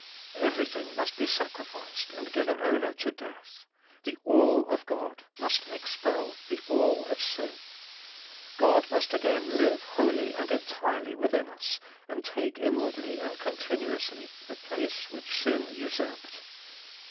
Everything must be sacrificed and given over to death : the All of God must expel the All of sin. God must again live wholly and entirely within us, and take inwardly and con tinuously the place which sin usurped.